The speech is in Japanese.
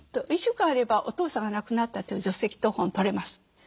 １週間あればお父さんが亡くなったという除籍謄本取れます。